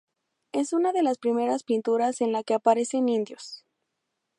Es una de las primeras pinturas en la que aparecen indios.